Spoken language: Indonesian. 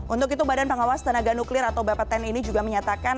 untuk itu badan pengawas tenaga nuklir atau bpten ini juga menyatakan